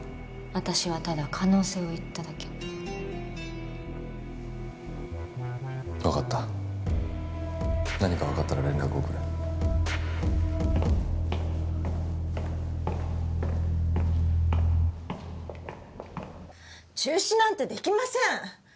私はただ可能性を言っただけ分かった何か分かったら連絡をくれ中止なんてできません！